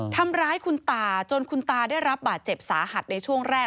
ทำร้ายคุณตาจนคุณตาได้รับบาดเจ็บสาหัสในช่วงแรก